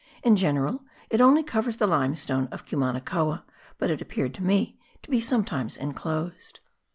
In general it only covers the limestone of Cumanacoa, but it appeared to me to be sometimes enclosed.)